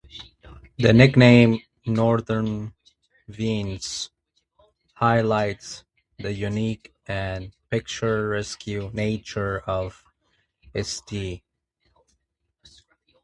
The nickname "Northern Venice" highlights the unique and picturesque nature of St.